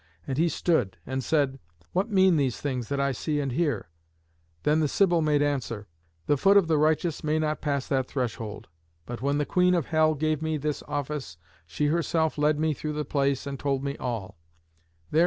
And he stood, and said, "What mean these things that I see and hear?" Then the Sibyl made answer: "The foot of the righteous may not pass that threshold. But when the Queen of hell gave me this office she herself led me through the place and told me all.